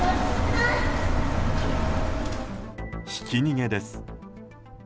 ひき逃げです。